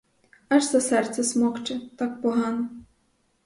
Аж за серце смокче, так погано!